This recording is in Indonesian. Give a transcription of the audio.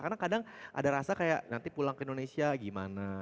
karena kadang ada rasa kayak nanti pulang ke indonesia gimana